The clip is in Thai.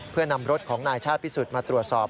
เพื่อนำรถของนายชาติพิสุทธิ์มาตรวจสอบ